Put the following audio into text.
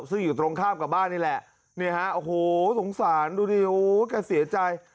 ซึ่งอยู่ตรงข้ามกับบ้านนี่แหละนี่ฮะโอ้โหสงสารดูดิโอ้แกเสียใจ